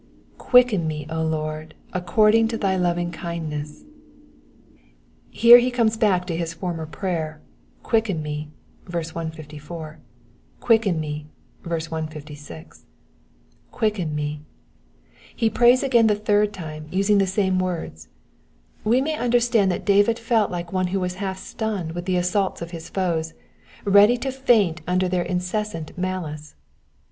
^^ Quicken me^ Lord, according to thy hmriglcindness,''^ Here he comes back to his former prayer, Quicken me" (v. 154^, quicken me'' (v. 156). Quicken me." He prays again the third time, usmg the same words. We may understand that David felt like one who was half stunned with the assaults of his foes, ready to faint under their incessant malice.